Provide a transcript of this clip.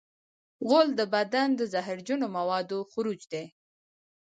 غول د بدن د زهرجنو موادو خروج دی.